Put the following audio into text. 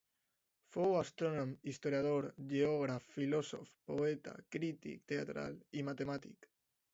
Fou astrònom, historiador, geògraf, filòsof, poeta, crític teatral i matemàtic.